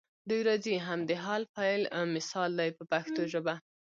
دوی راځي هم د حال فعل مثال دی په پښتو ژبه.